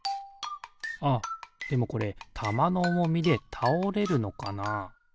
あっでもこれたまのおもみでたおれるのかな？